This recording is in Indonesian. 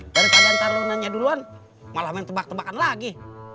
daripada ntar lu nanya duluan malah main tebak tebakan lagi